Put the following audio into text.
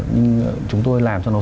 nhưng chúng tôi làm cho nó tốt